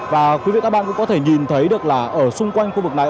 và quý vị các bạn cũng có thể nhìn thấy được là ở xung quanh khu vực này